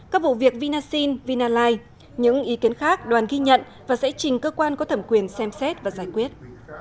các vụ việc vinasin vinali những ý kiến khác đoàn ghi nhận và sẽ trình cơ quan có thẩm quyền xem xét và giải quyết